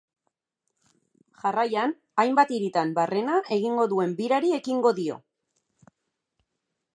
Jarraian, hainbat hiritan barrena egingo duen birari ekingo dio.